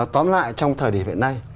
tóm lại trong thời điểm hiện nay